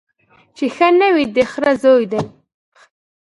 چي ښه نه وي د خره زوی دی